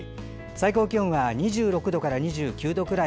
最高気温は２６度から２９度くらい。